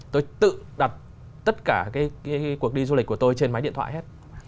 tôi tự đặt tất cả cái cuộc đi du lịch của tôi trên máy điện thoại hết